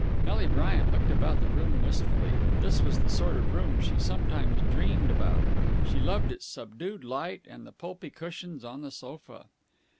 Nelly Bryant looked about the room wistfully. This was the sort of room she sometimes dreamed about. She loved its subdued light and the pulpy cushions on the sofa.